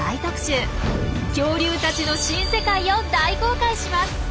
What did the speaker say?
「恐竜たちの新世界」を大公開します！